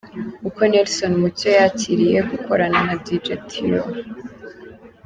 Uko Nelson Mucyo yakiriye gukorana na Dj Theo.